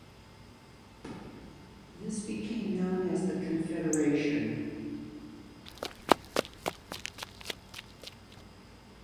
This became known as the Confederation.